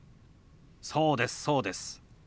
そうですそうです。